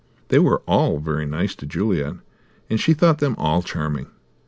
They were all very nice to Juliet, and she thought them all charming.